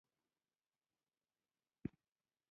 اینکا امپراتورۍ کولای شوای مقاومت وکړي.